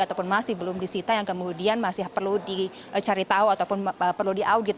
ataupun masih belum disita yang kemudian masih perlu dicari tahu ataupun perlu diaudit